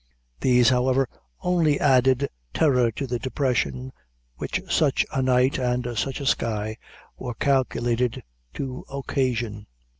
These, however, only added terror to the depression which such a night and such a sky were calculated to occasion.